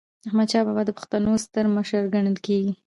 احمدشاه بابا د پښتنو ستر مشر ګڼل کېږي.